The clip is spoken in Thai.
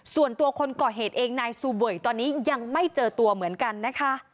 ส่วนตัวคนก่อเหตุเองนายซูเบยตอนนี้ยังไม่เจอตัวเหมือนกันนะคะ